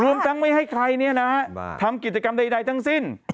รวมจากไม่ให้ใครเนี่ยนะทำกิจกรรมใดทั้งสิ้น